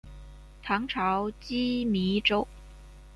唐朝羁縻州。